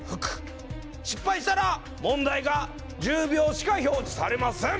失敗したら問題が１０秒しか表示されません！